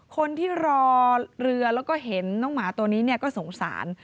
คนที่รอเรือแล้วก็เห็นน้องหมาตัวนี้ก็สงสาร